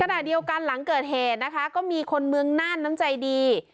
ขณะเดียวกันหลังเกิดเหตุนะคะก็มีคนเมืองน่านน้ำใจดี